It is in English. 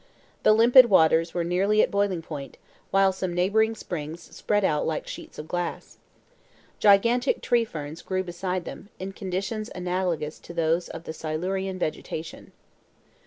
The limpid waters were nearly at boiling point, while some neighboring springs spread out like sheets of glass. Gigantic tree ferns grew beside them, in conditions analogous to those of the Silurian vegetation.